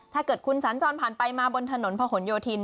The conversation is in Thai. ถ้าเกิดคุณสัญจรผ่านไปมาบนถนนพระหลโยธิน